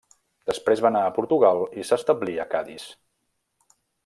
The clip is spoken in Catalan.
Després va anar a Portugal i s'establí a Cadis.